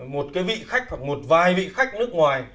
một cái vị khách hoặc một vài vị khách nước ngoài